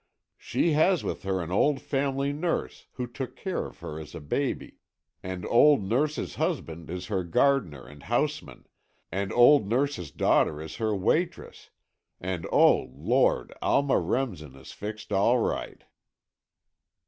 "She has with her an old family nurse, who took care of her as a baby, and old nurse's husband is her gardener and houseman, and old nurse's daughter is her waitress, and oh, Lord, Alma Remsen is fixed all right."